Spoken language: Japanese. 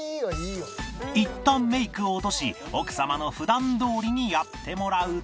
いったんメイクを落とし奥様の普段どおりにやってもらうと